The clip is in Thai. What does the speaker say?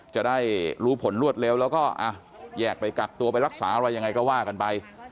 จะได้รู้ผลรวดเร็วแล้วก็แยกไปกักตัวไปรักษาอะไรยังไงก็ว่ากันไป